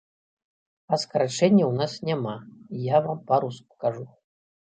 А скарачэнняў у нас няма, я вам па-руску кажу.